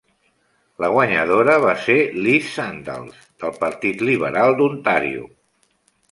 La guanyadora va ser Liz Sandals, del Partit Liberal d'Ontario.